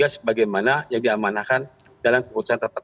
sebagaimana yang diamanakan dalam keputusan terpengen dpr